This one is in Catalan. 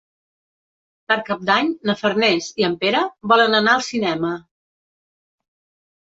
Per Cap d'Any na Farners i en Pere volen anar al cinema.